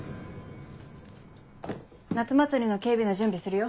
夏祭りの警備の準備するよ。